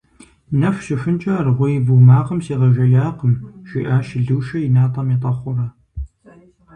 - Нэху щыхункӏэ аргъуей ву макъым сигъэжеякъым, - жиӏащ Лушэ и натӏэм етӏэхъуурэ.